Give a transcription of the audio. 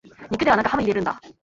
肉ではなくハム入れるんだ